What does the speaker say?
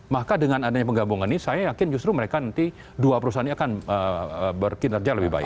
maka dengan adanya penggabungan ini saya yakin justru mereka nanti dua perusahaan ini akan berkinerja lebih baik